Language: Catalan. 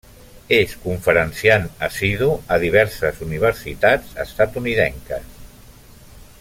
És conferenciant assidu a diverses universitats estatunidenques.